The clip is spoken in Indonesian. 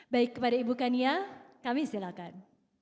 baik kepada ibu kania kami silakan